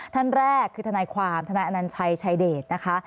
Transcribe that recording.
ท่านแรกคือทนายความทนายอนัญชัยชายเดชนะคะ